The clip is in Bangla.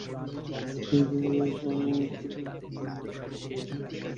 ইতিপূর্বে পরপর পাঁচবার বাংলাদেশ পৃথিবীর সবচেয়ে দুর্নীতিগ্রস্ত দেশ হিসেবে চিহ্নিত হয়েছিল।